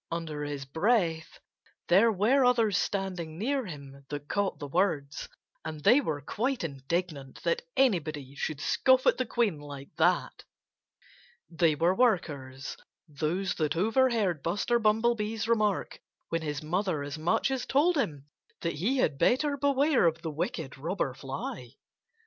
under his breath, there were others standing near him that caught the words. And they were quite indignant that anybody should scoff at the Queen like that. They were workers those that overheard Buster Bumblebee's remark when his mother as much as told him that he had better beware of the wicked Robber Fly.